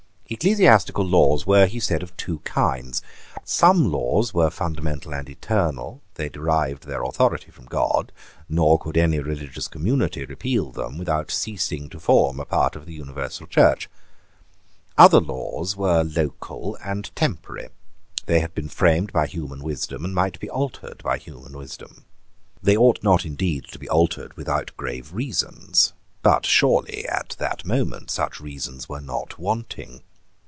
Ecclesiastical laws were, he said, of two kinds. Some laws were fundamental and eternal: they derived their authority from God; nor could any religious community repeal them without ceasing to form a part of the universal Church. Other laws were local and temporary. They had been framed by human wisdom, and might be altered by human wisdom. They ought not indeed to be altered without grave reasons. But surely, at that moment, such reasons were not wanting.